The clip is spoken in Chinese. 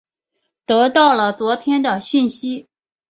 得到了昨天的讯息